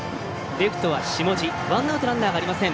レフトは下地ワンアウト、ランナーありません。